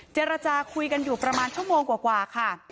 เจรจาคุยกันอยู่ประมาณชั่วโมงกว่าค่ะ